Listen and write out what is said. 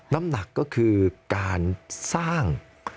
น้ำหนักก็คือการสร้าง